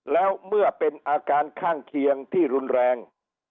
แล้วเมื่อเป็นอาการข้างเคียงที่รุนแรง